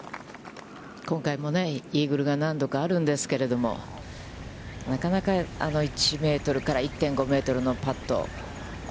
今回もね、イーグルが何度かあるんですけれども、なかなか１メートルから１．５メートルのパット。